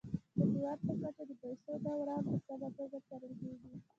د هیواد په کچه د پيسو دوران په سمه توګه څارل کیږي.